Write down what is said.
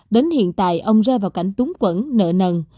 đến hiện tại ông rơi vào cảnh túng quẩn nợ nần